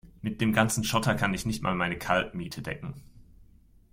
Mit dem ganzen Schotter kann ich nicht mal meine Kaltmiete decken.